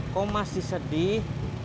kau masih sedih